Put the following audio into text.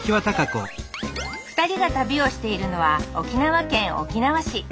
２人が旅をしているのは沖縄県沖縄市。